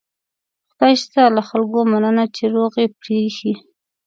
خدای شته له خلکو مننه چې روغ یې پرېښي.